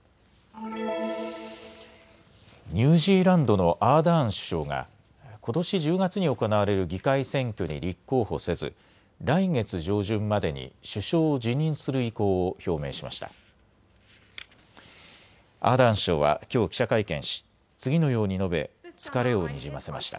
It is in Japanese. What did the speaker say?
ニュージーランドのアーダーン首相がことし１０月に行われる議会選挙に立候補せず来月上旬までに首相を辞任する意向を表明しました。